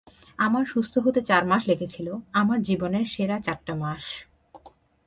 আমার সুস্থ হতে চার মাস লেগেছিল, আমার জীবনের সেরা চারটা মাস।